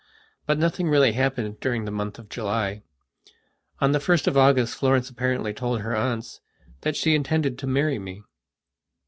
But nothing really happened during the month of July. On the 1st of August Florence apparently told her aunts that she intended to marry me.